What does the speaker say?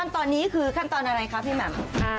ขั้นตอนนี้ขั้นตอนอะไรครับพี่แหม่ม